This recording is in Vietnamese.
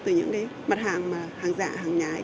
từ những cái mặt hàng mà hàng giả hàng nhái